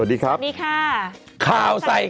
สวัสดีครับเดี๋ยวไปเมื่อไหนครับเดี๋ยวดูมาสวัสดีค่ะ